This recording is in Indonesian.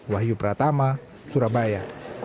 wahyu pratama surabaya